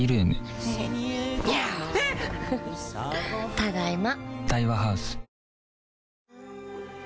ただいま。